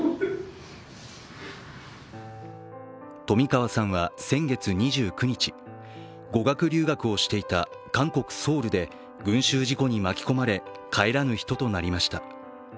冨川さんは先月２９日、語学留学をしていた韓国ソウルで群集事故に巻き込まれ帰らぬ人となりました。